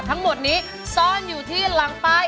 ทั้งหมดนี้ซ่อนอยู่ที่หลังป้าย